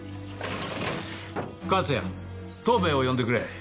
勝谷藤兵衛を呼んでくれ。